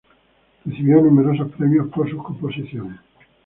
Recibió numerosos premios por sus composiciones.